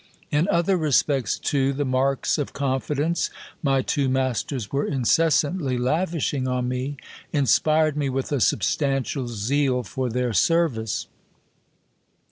In other respects, too, the marks of confidence my two masters were incessandy lavishing on me inspired me with a substantial zeal for their service.